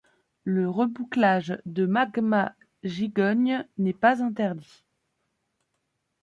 Le rebouclage de magmas-gigognes n’est pas interdit.